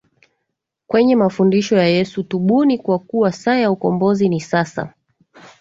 kwenye mafundisho ya YesuTubuni kwa kuwa saa ya ukombozi ni sasa